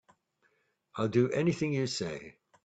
I'll do anything you say.